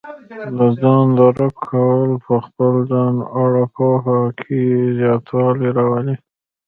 د ځان درک کول په خپل ځان اړه پوهه کې زیاتوالی راولي.